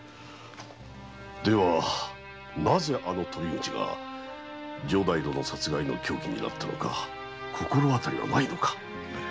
ではなぜあの鳶口が城代殿殺害の凶器になったのか心当たりはないのか？